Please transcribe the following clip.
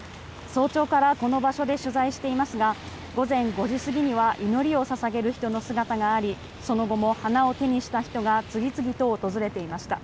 早朝からこの場所で取材していますが午前５時過ぎには祈りを捧げる人の姿がありその後も花を手にした人が次々と訪れていました。